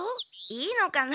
いいのかな。